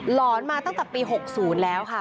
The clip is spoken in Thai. หอนมาตั้งแต่ปี๖๐แล้วค่ะ